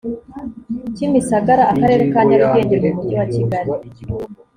kimisagara akarere ka nyarugenge mu mujyi wa kigali.